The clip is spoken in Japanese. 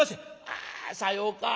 「あさようか。